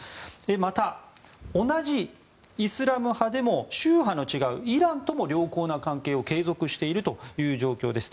また、同じイスラム派でも宗派の違うイランとも良好な関係を継続しているという状況です。